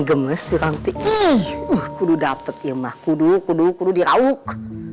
gemes si rangti ih kudu dapet ya mah kudu kudu kudu dirauk